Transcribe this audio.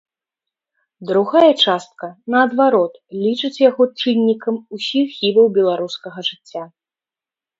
Другая частка, наадварот, лічыць яго чыннікам усіх хібаў беларускага жыцця.